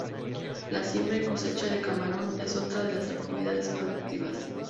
La siembra y cosecha de camarón es otra de las actividades productivas.